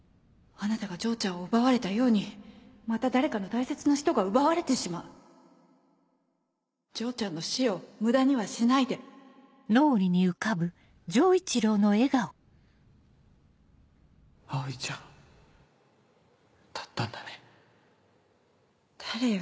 あなたが丈ちゃんを奪われたようにまた誰かの大切な人が奪われてしまう丈ちゃんの死を無駄には葵ちゃんだったんだね誰よ？